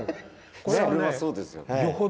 そうですよね。